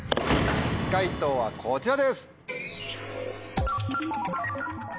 解答はこちらです。